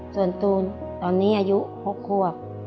ส่วนตูนตอนนี้อายุ๖ควบ